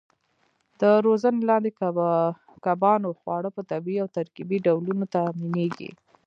د روزنې لاندې کبانو خواړه په طبیعي او ترکیبي ډولونو تامینېږي.